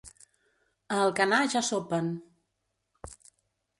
A Alcanar, ja sopen.